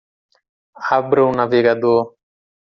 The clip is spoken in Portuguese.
Abra o navegador.